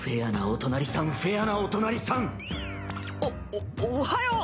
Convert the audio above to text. おおおはよう。